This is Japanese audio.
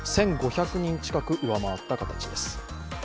１５００人近く上回った形です。